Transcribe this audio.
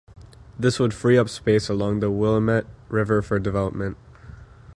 This would free up space along the Willamette River for development.